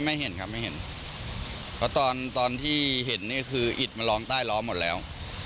ไม่เห็นครับไม่เห็นเพราะตอนตอนที่เห็นนี่คืออิดมันร้อนใต้ล้อหมดแล้ว